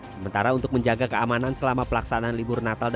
sementara untuk menjaga keamanan selama pelaksanaan libur natal